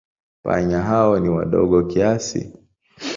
Panya hao ni wadogo kiasi.